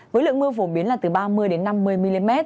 với lượng mưa phổ biến là từ ba mươi năm mươi mm